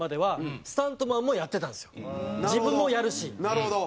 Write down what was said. なるほど。